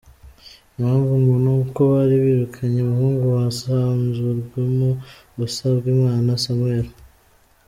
Impamvu ngo ni uko bari birukanye umuhungu wa Nsanzurwimo, Usabwimana Samuel.